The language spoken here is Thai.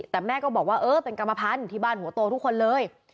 แต่แม่ก็บอกว่าเออเป็นกรรมพันธุ์ที่บ้านหัวโตทุกคนเลย